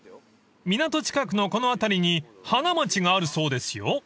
［港近くのこの辺りに花街があるそうですよ］